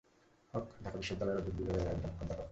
হক ঢাকা বিশ্ববিদ্যালয়ের উদ্ভিদবিজ্ঞান বিভাগের একজন অধ্যাপক।